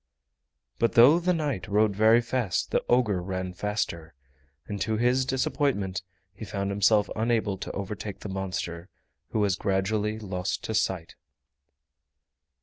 But though the knight rode very fast the ogre ran faster, and to his disappointment he found himself unable to overtake the monster, who was gradually lost to sight.